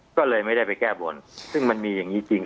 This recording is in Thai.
ก็เลยไม่ได้ไปแก้บนซึ่งมันมีอย่างนี้จริง